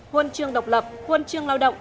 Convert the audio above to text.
huân trường độc lập huân trường lao động